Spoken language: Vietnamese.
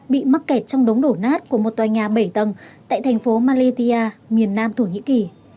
bị mắc kẹt trong đống đổ nát của một tòa nhà bảy tầng tại thành phố malitia miền nam thổ nhĩ kỳ